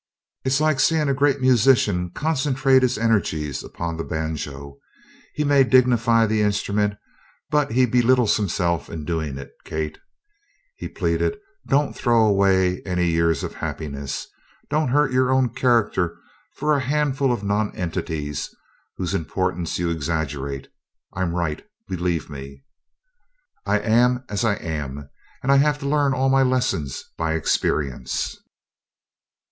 "It's like seeing a great musician concentrate his energies upon the banjo he may dignify the instrument, but he belittles himself in doing it. Kate," he pleaded, "don't throw away any years of happiness! Don't hurt your own character for a handful of nonentities whose importance you exaggerate! I'm right, believe me." "I am as I am, and I have to learn all my lessons by experience."